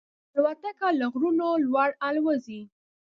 الوتکه له غرونو لوړ الوزي.